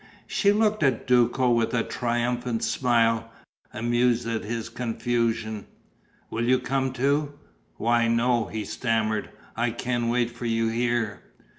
She looked at Duco with a triumphant smile, amused at his confusion: "Will you come too?" "Why, no," he stammered. "I can wait for you here."